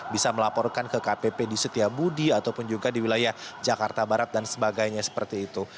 bisa melaporkan ke kpp di setiabudi ataupun juga di wilayah jakarta barat dan sebagainya seperti itu